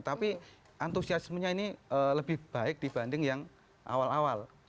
tapi antusiasmenya ini lebih baik dibanding yang awal awal